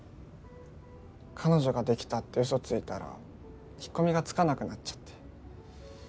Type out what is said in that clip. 彼女ができたってうそついたら引っ込みがつかなくなっちゃって。